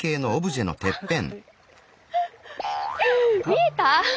見えた！